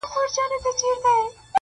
• او نه ختمېدونکی اثر لري ډېر,